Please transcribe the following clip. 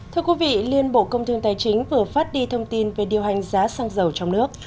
thưa quý vị liên bộ công thương tài chính vừa phát đi thông tin về điều hành giá xăng dầu trong nước